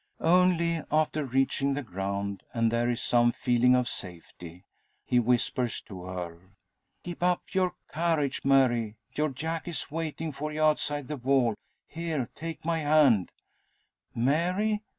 Only after reaching the ground, and there is some feeling of safety, he whispers to her: "Keep up your courage, Mary! Your Jack is waiting for you outside the wall. Here, take my hand " "Mary!